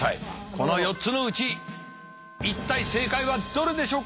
この４つのうち一体正解はどれでしょうか。